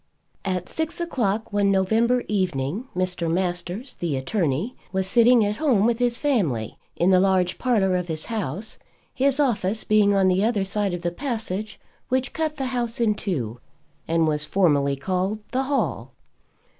At six o'clock one November evening, Mr. Masters, the attorney, was sitting at home with his family in the large parlour of his house, his office being on the other side of the passage which cut the house in two and was formally called the hall.